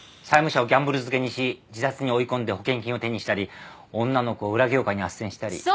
債務者をギャンブル漬けにし自殺に追い込んで保険金を手にしたり女の子を裏業界に斡旋したり。